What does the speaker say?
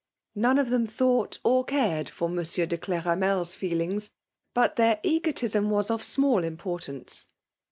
Not one of them thought or cared for Monsieur de Cleramers fedings. But their egotism was of small importance.